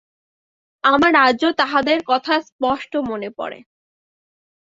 আমার আজও তাহাদের কথা স্পষ্ট মনে পরে।